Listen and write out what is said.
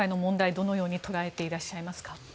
どのように捉えていらっしゃいますか？